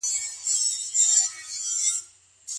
ولي کوښښ کوونکی د لایق کس په پرتله لاره اسانه کوي؟